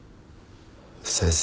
先生。